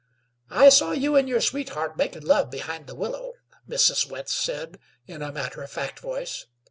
"I saw you and your sweetheart makin' love behind the willow," Mrs. Wentz said in a matter of fact voice.